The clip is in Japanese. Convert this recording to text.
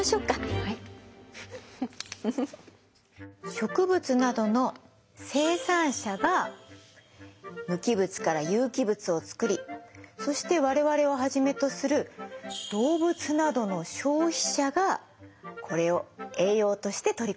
植物などの生産者が無機物から有機物を作りそして我々をはじめとする動物などの消費者がこれを栄養として取り込んでいます。